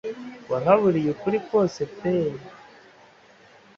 wahaburiye ukuri kose pe